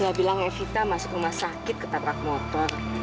dia bilang evita masuk rumah sakit ketabrak motor